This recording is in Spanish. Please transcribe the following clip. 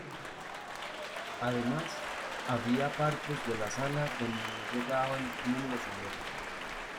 Además, había partes de la sala donde no llegaban bien los olores.